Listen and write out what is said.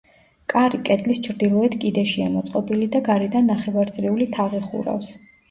კარი კედლის ჩრდილოეთ კიდეშია მოწყობილი და გარედან ნახევარწრიული თაღი ხურავს.